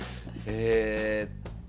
えっと。